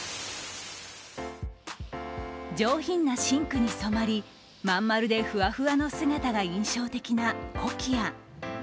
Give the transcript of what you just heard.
上品な深紅に染まり、まん丸でふわふわの姿が印象的なコキア。